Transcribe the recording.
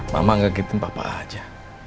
mama enggak ngerti apa apa aja